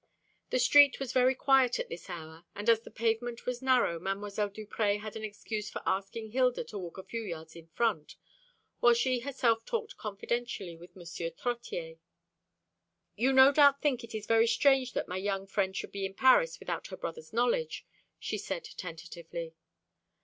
The street was very quiet at this hour, and as the pavement was narrow Mdlle. Duprez had an excuse for asking Hilda to walk a few yards in front, while she herself talked confidentially with M. Trottier. "You no doubt think it is very strange that my young friend should be in Paris without her brother's knowledge," she said tentatively.